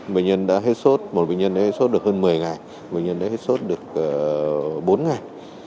bệnh nhân đã hết sốt một bệnh nhân đã hết sốt được hơn một mươi ngày một bệnh nhân đã hết sốt được bốn ngày